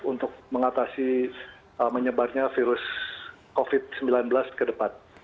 untuk mengatasi menyebarnya virus covid sembilan belas ke depan